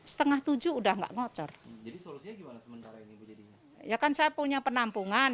setengah tujuh udah nggak ngocor jadi solusinya gimana sementara ini ya kan saya punya penampungan